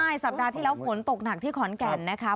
ใช่สัปดาห์ที่แล้วฝนตกหนักที่ขอนแก่นนะคะ